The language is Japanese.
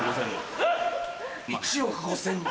１億５０００万。